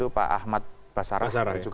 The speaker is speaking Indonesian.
pak ahmad basarai